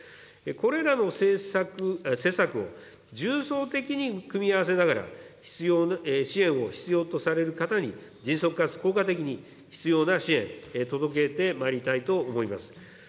これらの施策を重層的に組み合わせながら、支援を必要とされる方に、迅速かつ効果的に必要な支援、届けてまいりたいと思います。